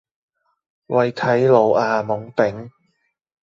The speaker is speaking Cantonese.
喂睇路呀懵丙